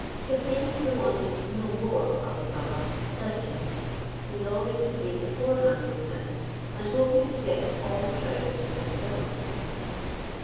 Cassim, who wanted no more of Ali Baba, left him, resolving to be beforehand with him, and hoping to get all the treasure to himself.